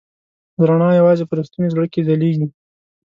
رڼا یواځې په رښتوني زړه کې ځلېږي.